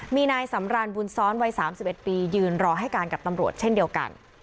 มีนายสำรานบุญซ้อนวัย๓๑ปียืนรอให้การกับตำรวจเช่นเดียวกัน